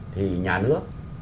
thì nhà nước